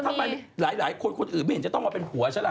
ถ้าไม่มีหลายคนอื่นอื่นไม่เห็นต้องเอาเป็นผัวใช่เปล่า